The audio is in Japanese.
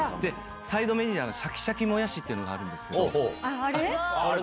サイドメニューのシャキシャキもやしっていうのがあるんですあれ？